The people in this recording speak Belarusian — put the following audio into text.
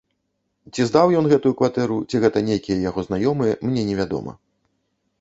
Ці здаў ён гэтую кватэру, ці гэта нейкія яго знаёмыя, мне невядома.